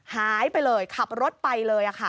หายไปเลยขับรถไปเลยค่ะ